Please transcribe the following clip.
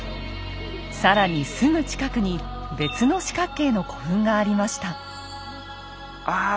更にすぐ近くに別の四角形の古墳がありました。